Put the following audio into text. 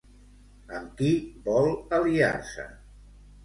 Amb qui vol aliar-se?